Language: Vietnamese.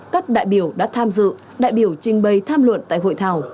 các đại biểu đã tham dự đại biểu trình bày tham luận tại hội thảo